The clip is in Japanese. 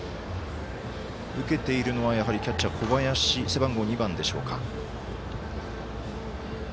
受けているのは、やはりキャッチャー、小林背番号２番でしょうか。